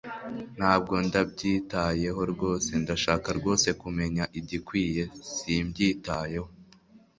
ntabwo ndabyitayeho rwose ndashaka rwose kumenya igikwiye (simbyitayeho